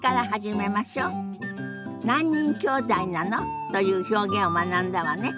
「何人きょうだいなの？」という表現を学んだわね。